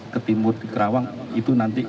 ketimur di kerawang itu nanti